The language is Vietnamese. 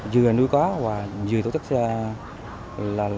vừa nuôi khoá và vừa tổ chức là